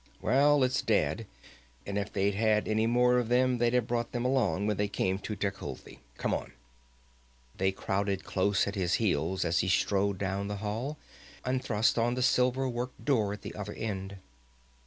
"Well, it's dead, and if they'd had any more of them, they'd have brought them along when they came to Tecuhltli. Come on." They crowded close at his heels as he strode down the hall and thrust on the silver worked door at the other end.